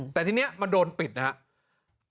แต่ทีนี้มันโดนปิดนะครับ